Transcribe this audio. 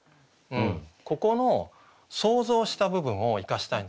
ここの想像した部分を生かしたいんですよ。